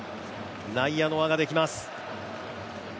内野の輪ができます。